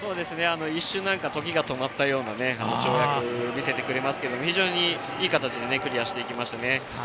一瞬時が止まったような跳躍を見せてくれますけど非常にいい形でクリアしてくれましたね。